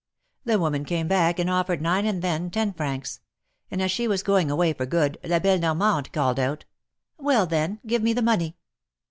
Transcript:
The woman came back, and oifered nine and then ten francs ; and as she was going away for good, the belle Normande called out : Well ! then, give me the money."